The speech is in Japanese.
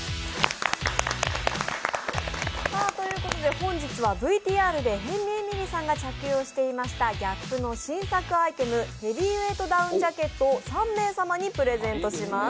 本日はＶＴＲで辺見えみりさんが着用していましたＧＡＰの新作アイテム、ヘビーウエイトダウンジャケットを３名様にプレゼントします。